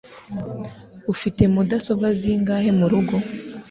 Ufite mudasobwa zingahe murugo?